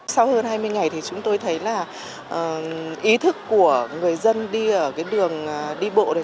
sau hơn hai mươi ngày thì chúng tôi thấy là ý thức của người dân đi ở cái đường đi bộ này